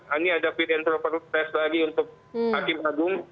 ini ada fit and proper test lagi untuk hakim agung